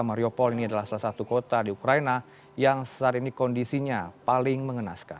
mariupol ini adalah salah satu kota di ukraina yang saat ini kondisinya paling mengenaskan